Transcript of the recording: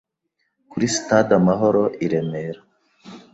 kuri Stade Amahoro i Remera